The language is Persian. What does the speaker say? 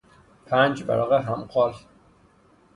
پنج ورق همخال